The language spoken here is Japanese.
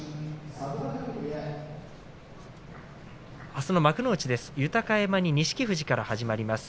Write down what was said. あすの幕内です。